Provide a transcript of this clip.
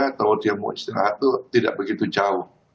atau dia mau istirahat itu tidak begitu jauh